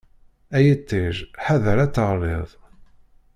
Ay iṭṭij ḥader ad teɣliḍ.